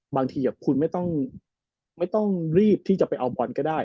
บางทีคุณไม่ต้องรีบที่จะไปเอาบอลก็ได้